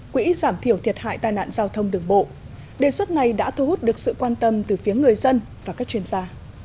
quỹ giảm thiểu thiệt hại tai nạn giao thông đường bộ đề xuất này đã thu hút được sự quan tâm từ phía người dân và các chuyên gia